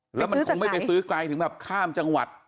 ไปซื้อจากไหนแล้วมันคงไม่ซื้อใกล้ถึงค่ามจังหวัด